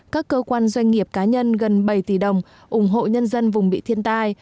các cơ quan doanh nghiệp cá nhân gần bảy tỷ đồng ủng hộ nhân dân vùng bị thiên tai